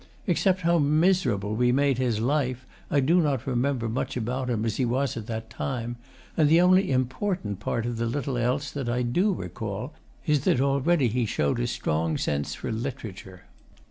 Except how miserable we made his life, I do not remember much about him as he was at that time, and the only important part of the little else that I do recall is that already he showed a strong sense for literature.